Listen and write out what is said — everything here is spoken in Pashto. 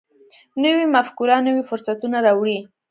نوې مفکوره نوي فرصتونه راوړي